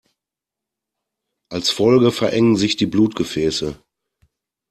Als Folge verengen sich die Blutgefäße.